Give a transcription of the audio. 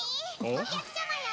お客様よ！